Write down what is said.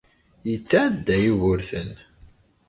Yetɛedda Yugurten!